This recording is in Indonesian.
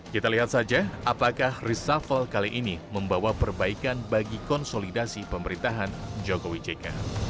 kita lihat saja apakah reshuffle kali ini membawa perbaikan bagi konsolidasi pemerintahan jokowi jk